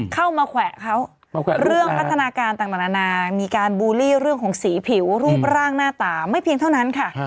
เข้ามาแขวะเขาเรื่องพัฒนาการต่างนานามีการบูลลี่เรื่องของสีผิวรูปร่างหน้าตาไม่เพียงเท่านั้นค่ะ